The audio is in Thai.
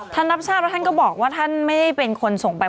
รับทราบแล้วท่านก็บอกว่าท่านไม่ได้เป็นคนส่งไป